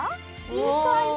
いい感じ。